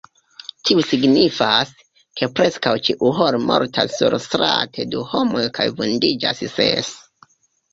Tio signifas, ke preskaŭ ĉiuhore mortas surstrate du homoj kaj vundiĝas ses.